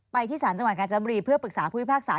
ที่สารจังหวัดกาญจนบุรีเพื่อปรึกษาผู้พิพากษา